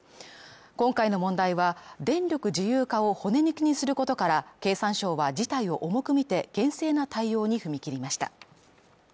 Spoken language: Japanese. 今回の問題は、電力自由化を骨抜きにすることから、経産省は事態を重く見て、厳正な対応に踏み切りました。